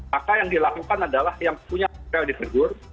maka yang dilakukan adalah yang punya hotel di segur